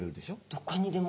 どこにでも。